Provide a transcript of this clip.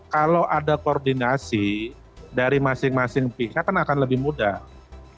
kalau ada koordinasi dari masing masing pihak kan akan lebih mudah